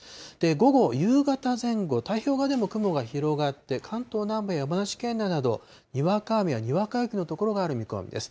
午後、夕方前後、太平洋側でも雲が広がって関東南部や山梨県内などにわか雨やにわか雪の所がある見込みです。